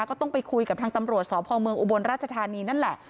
ก็ต้องไปคุยกับทางตำรวจสพเมืองอุบลราชธานีนั่นแหละ